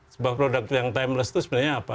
sebuah produk yang timeless itu sebenarnya apa